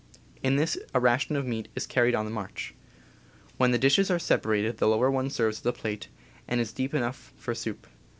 In this a ration of meat is carried on the march. When the dishes are separated the lower one serves as a plate, and is deep enough for soup.